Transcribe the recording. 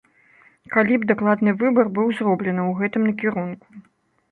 Калі б дакладны выбар быў зроблены ў гэтым накірунку.